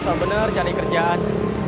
susah bener cari kerjaan